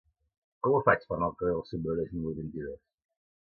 Com ho faig per anar al carrer dels Sombrerers número vint-i-dos?